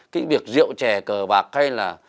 cái việc rượu chè cờ bạc hay là